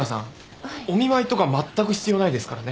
お見舞いとかまったく必要ないですからね。